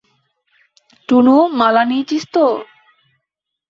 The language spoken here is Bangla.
টুনু, মালা নিইচিস তো?